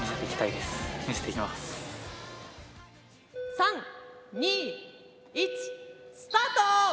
３・２・１スタート！